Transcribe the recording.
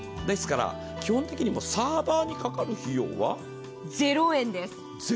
基本的にもサーバーにかかる料金は０円です。